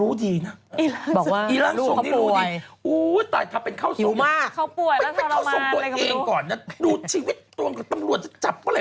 อู้วตายครับเป็นเข้าสูงตัวเองก่อนนะดูชีวิตตัวตำรวจจะจับเมื่อไหร่